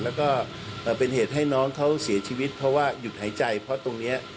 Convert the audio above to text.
แล้วก็เป็นเหตุให้น้องเขาเสียชีวิตเพราะว่าหยุดหายใจเพราะตรงนี้